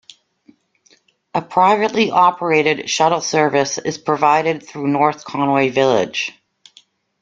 A privately operated shuttle service is provided through North Conway village.